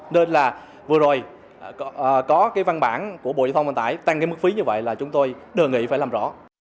nên là vừa rồi có cái văn bản của bộ giao thông vận tải tăng cái mức phí như vậy là chúng tôi đề nghị phải làm rõ